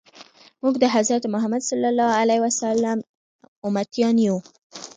موږ د حضرت محمد صلی الله علیه وسلم امتیان یو.